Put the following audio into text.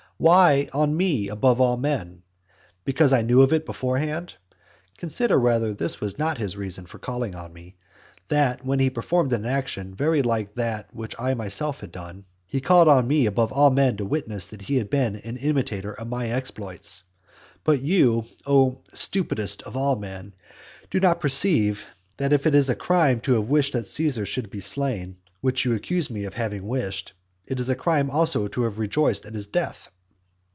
Why on me above all men? Because I knew of it beforehand? Consider rather whether this was not his reason for calling on me, that, when he had performed an action very like those which I myself had done, he called me above all men to witness that he had been an imitator of my exploits. But you, O stupidest of all men, do not you perceive, that if it is a crime to have wished that Caesar should be slain which you accuse me of having wished it is a crime also to have rejoiced at his death?